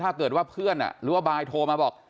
ถ้าเกิดว่าเพื่อนหรือว่าบายโทรมาบอก